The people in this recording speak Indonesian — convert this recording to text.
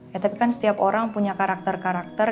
ya tapi kan setiap orang punya karakter karakter